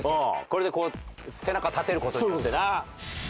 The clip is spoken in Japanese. これで背中立てる事によってな。